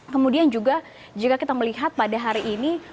kemudian juga jika kita melihat pada hari ini